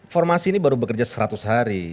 formasi ini baru bekerja seratus hari